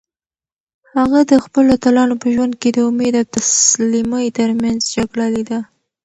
هغه د خپلو اتلانو په ژوند کې د امید او تسلیمۍ ترمنځ جګړه لیده.